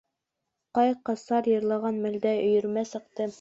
—...Ҡай-Ҡайсар йырлаған мәлдә өйөрмә сыҡты.